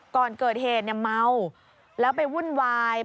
ก่อนเกิดเหตุเนี่ยเมาแล้วไปวุ่นวาย